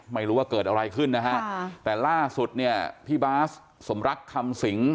ไม่รู้ว่าเกิดอะไรขึ้นนะฮะแต่ล่าสุดเนี่ยพี่บาสสมรักคำสิง